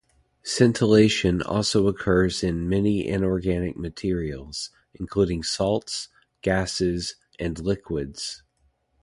Scintillation also occurs in many inorganic materials, including salts, gases, and liquids.